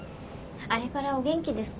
あれからお元気ですか？